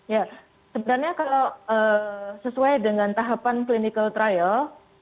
ya sebenarnya kalau sesuai dengan tahapan clinical trial